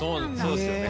そうっすよね。